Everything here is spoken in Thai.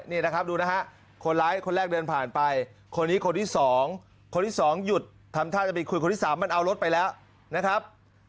นี่นะครับดูนะฮะคนร้ายคนแรกเดินผ่านไปคนนี้คนที่๒คนที่๒หยุดทำท่าจะไปคุยคนที่๓มันเอารถไปแล้วนะครับ